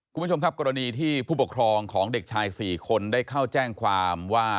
คุณผู้ชมครับกรณีที่ผู้ปกครองของเด็กชาย๔คนได้เข้าแจ้งความว่า